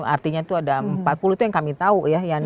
artinya ada empat puluh itu yang kami tahu